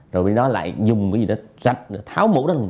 rồi đi đó lại dùng cái gì đó rạch tháo mũ đó